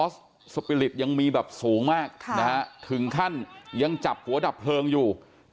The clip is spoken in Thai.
สปิลิตยังมีแบบสูงมากถึงขั้นยังจับหัวดับเพลิงอยู่